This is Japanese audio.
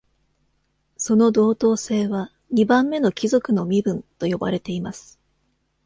その同等性は「二番目の貴族の身分」と呼ばれています。